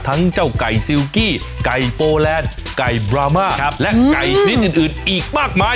ทั้งเจ้าไก่ซิลกี้ไก่โปแลนด์ไก่บรามาและไก่ชนิดอื่นอีกมากมาย